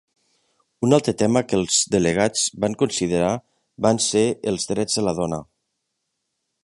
Un altre tema que els delegats van considerar van ser els drets de la dona.